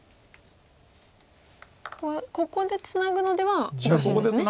ここはここでツナぐのではおかしいですね。